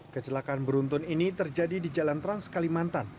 kecelakaan beruntun ini terjadi di jalan trans kalimantan